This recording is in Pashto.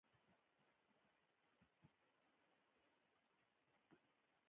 احمد زموږ د کور لویه سټه ده، خدای دې تر ډېرو ژوندی لري.